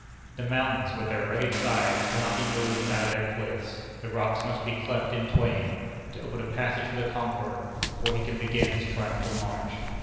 The mountains with their rugged sides cannot be moved out of their place, the rocks must be cleft in twain, to open a passage for the conqueror, before he can begin his triumphal march.